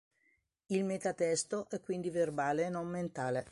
Il metatesto è quindi verbale e non mentale.